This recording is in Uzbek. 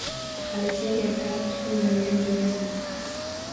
Hali sen ertalab tuxum yorgan jo‘jasan.